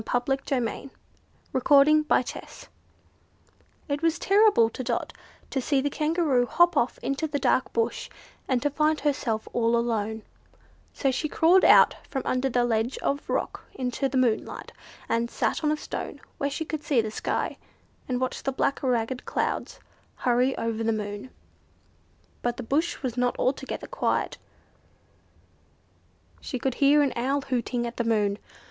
Chapter 6 Dot and the Native Bear It was terrible to Dot to see the Kangaroo hop off into the dark bush, and to find herself all alone; so she crawled out from under the ledge of rock into the moonlight, and sat on a stone where she could see the sky, and watch the black ragged clouds hurry over the moon. But the bush was not altogether quiet. She could hear an owl hooting at the moon.